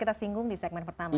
kita singgung di segmen pertama